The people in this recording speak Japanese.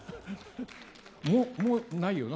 もう、ないよな？